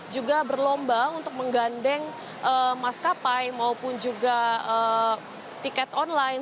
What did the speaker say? juga berlomba untuk menggandeng maskapai maupun juga tiket online